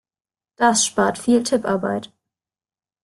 Das spart viel Tipparbeit.